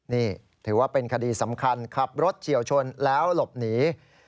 นี่ถือว่าเป็นคดีสำคัญขับรถเฉียวชนแล้วหลบหนี